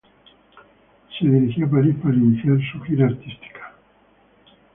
Se dirigía a París, para iniciar su gira artística.